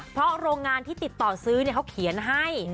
เพราะโรงงานที่ติดต่อซื้อเขาเขียนให้